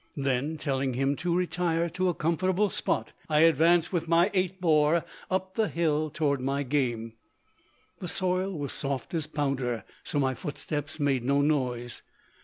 Then, telling him to retire to a comfortable spot, I advanced with my 8 bore up the hill toward my game. The soil was soft as powder, so my footsteps made no noise.